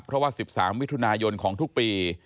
เพราะว่า๑๓มิถุนายนของทุกปี